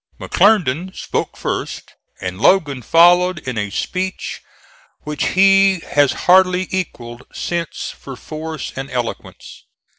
McClernand spoke first; and Logan followed in a speech which he has hardly equalled since for force and eloquence.